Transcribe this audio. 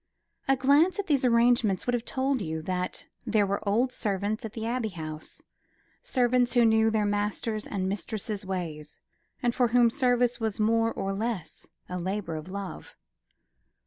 A glance at these arrangements would have told you that there were old servants at the Abbey House, servants who knew their master's and mistress's ways, and for whom service was more or less a labour of love.